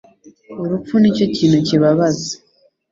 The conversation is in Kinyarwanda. Urupfu ni cyo kintu kibabaza